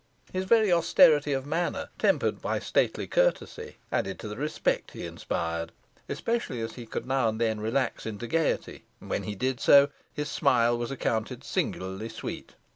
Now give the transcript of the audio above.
His very austerity of manner, tempered by stately courtesy, added to the respect he inspired, especially as he could now and then relax into gaiety, and, when he did so, his smile was accounted singularly sweet.